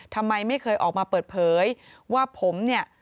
ทำไมไม่เคยออกมาเปิดเผยว่าผมเนี่ย